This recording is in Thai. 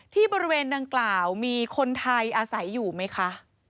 ที่บริเวณดังกล่าวมีคนไทยอาศัยอยู่ไหมคะ